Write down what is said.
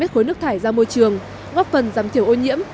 giảm phối nước thải ra môi trường góp phần giảm thiểu ô nhiễm